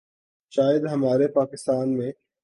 شاید ہمارے پاکستان میں